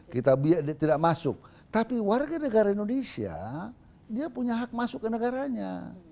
kita tidak masuk tapi warga negara indonesia dia punya hak masuk ke negaranya